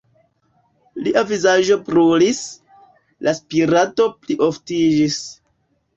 Lia vizaĝo brulis, la spirado plioftiĝis.